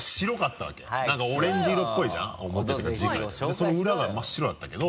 その裏が真っ白だったけど。